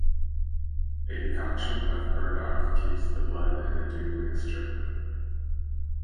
A decoction of burdock keeps the blood in a due mixture.